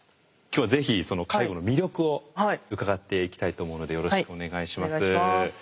今日はぜひその介護の魅力を伺っていきたいと思うのでよろしくお願いします。